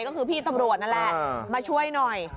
ก็คือพี่ตำรวจนั่นแหละมาช่วยหน่อย